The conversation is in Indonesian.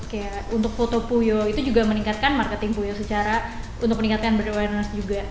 kayak untuk foto puyo itu juga meningkatkan marketing puyo secara untuk meningkatkan breneurs juga